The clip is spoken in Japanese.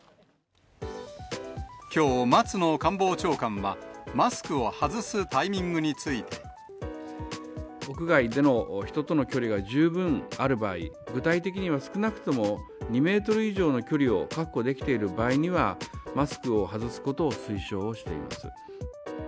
きょう、松野官房長官は、マスクを外すタイミングについて。屋外での人との距離が十分ある場合、具体的には少なくとも２メートル以上の距離を確保できている場合には、マスクを外すことを推奨をしています。